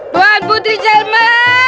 tuan putri jelme